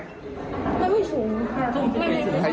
แล้วมันไปถึงไหนต่อ